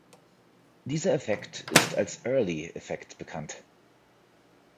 Dieser Effekt ist als Early-Effekt bekannt.